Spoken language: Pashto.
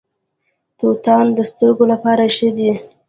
توتان د سترګو لپاره ښه دي.